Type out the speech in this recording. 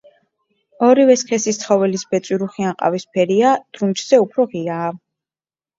ორივე სქესის ცხოველის ბეწვი რუხი ან ყავისფერია, დრუნჩზე უფრო ღიაა.